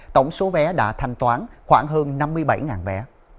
tổng số vé đã thanh toán khoảng hơn năm mươi bảy vé